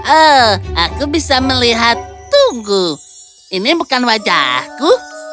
oh aku bisa melihat tunggu ini bukan wajahku